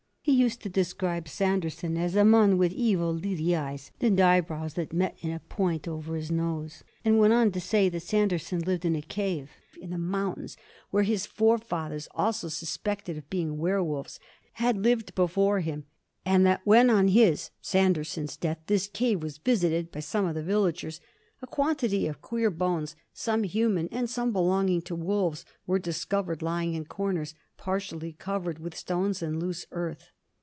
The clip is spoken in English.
He used to describe Saunderson as "a mon with evil, leerie eyes, and eyebrows that met in a point over his nose"; and went on to say that Saunderson lived in a cave in the mountains where his forefathers, also suspected of being werwolves, had lived before him, and that when on his Saunderson's death this cave was visited by some of the villagers, a quantity of queer bones some human and some belonging to wolves were discovered lying in corners, partially covered with stones and loose earth.